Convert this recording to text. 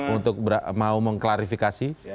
untuk mau mengklarifikasi